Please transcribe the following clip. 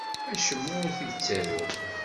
Acemma ur t-id-ttaruɣ.